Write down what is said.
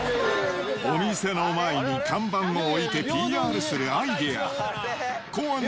お店の前に看板を置いてＰＲするアイデア。